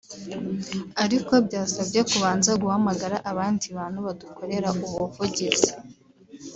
ariko byasabye kubanza guhamagara abandi bantu badukorera ubuvugizi